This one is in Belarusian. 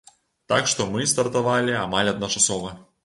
Так што мы стартавалі амаль адначасова.